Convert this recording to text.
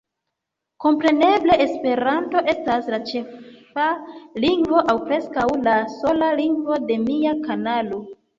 Kompreneble, Esperanto estas la ĉefa lingvo aŭ preskaŭ la sola lingvo de mia kanalo.